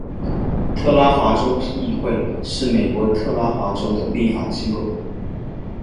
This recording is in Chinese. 特拉华州议会是美国特拉华州的立法机构。